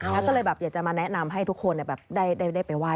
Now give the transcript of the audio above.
แล้วก็เลยแบบอยากจะมาแนะนำให้ทุกคนได้ไปไห้